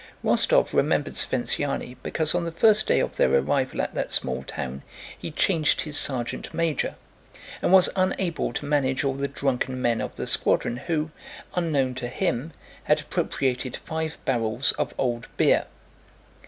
Rostóv remembered Sventsyáni, because on the first day of their arrival at that small town he changed his sergeant major and was unable to manage all the drunken men of his squadron who, unknown to him, had appropriated five barrels of old beer.